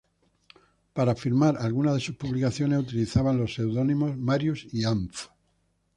Para firmar algunas de sus publicaciones utilizaba los seudónimos "Marius" y "AmF".